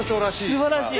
すばらしい！